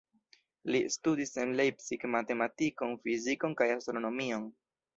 Li studis en Leipzig matematikon, fizikon kaj astronomion.